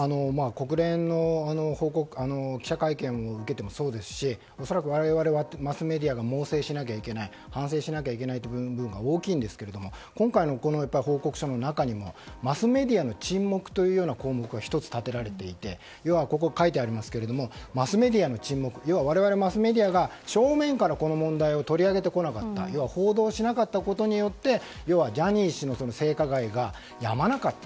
国連の記者会見を受けてもそうですし恐らく我々マスメディアも猛省しなければならない反省しなきゃいけない部分も大きいんですが今回の報告書の中でもマスメディアの沈黙というような項目が１つ立てられていて要は我々マスメディアが正面からこの問題を取り上げてこなかった報道してこなかったことによって要はジャニー氏の性加害がやまなかった。